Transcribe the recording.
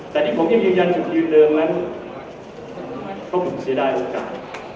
แต่ที่ผมยืนยันถึงทีเดิมแล้วนั้นเพราะผมเสียดายโอกาส